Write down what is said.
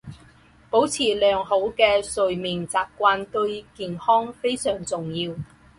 保持良好的睡眠习惯对健康非常重要。